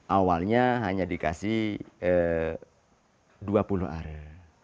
awalnya hanya dikasih dua puluh area